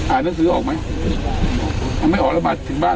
อ่านนับสือออกมั้ยถึงบ้านแล้วทำได้ยังไง